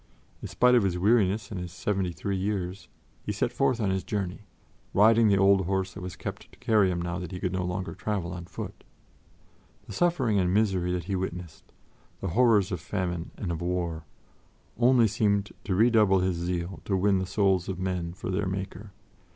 In spite of his weariness and his seventy three years, he set forth on his journey, riding the old horse that was kept to carry him now that he could no longer travel on foot. The suffering and misery that he witnessed, the horrors of famine and of war, only seemed to redouble his zeal to win the souls of men for their Maker.